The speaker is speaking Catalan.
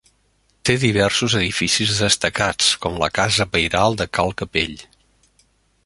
Té diversos edificis destacats, com la casa pairal de Cal Capell.